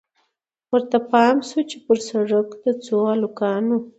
ورته پام سو پر سړک د څو هلکانو